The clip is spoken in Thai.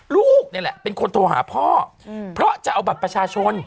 ลูกนี่แหละเป็นคนโทรหาพ่อเพราะจะเอาบัตรประชาชน